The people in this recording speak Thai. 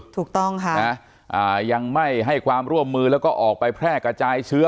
ถูกต้องค่ะนะยังไม่ให้ความร่วมมือแล้วก็ออกไปแพร่กระจายเชื้อ